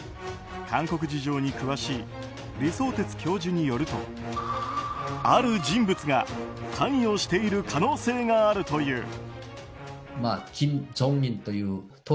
韓国事情に詳しい李相哲教授によるとある人物が関与している可能性があるという。